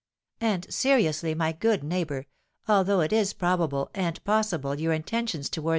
"And seriously, my good neighbour, although it is probable and possible your intentions towards M.